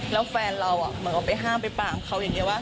แล้วแฟนเราเหมือนกับไปห้ามไปปามเขาอย่างนี้ว่า